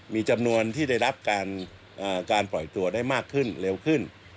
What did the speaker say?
มีจำนวนที่ได้รับการปล่อยตัวได้มากขึ้นเร็วขึ้น